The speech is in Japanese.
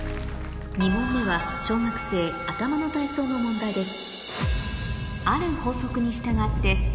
２問目は小学生頭の体操の問題です